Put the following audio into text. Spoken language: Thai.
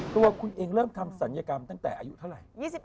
ตัวคุณเองเริ่มทำศัลยกรรมตั้งแต่อายุเท่าไหร่